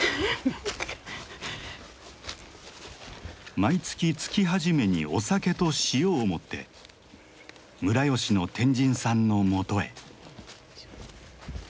毎月月初めにお酒と塩を持って村吉の天神さんのもとへ。